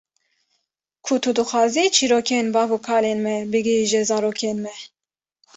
Ku tu dixwazî çirokên bav û kalên me bigihîje zarokên me.